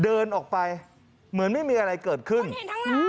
เดินออกไปเหมือนไม่มีอะไรเกิดขึ้นคนเห็นทั้งหลัง